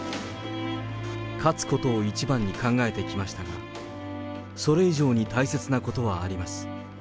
勝つことを一番に考えてきましたが、それ以上に大切なことはあります。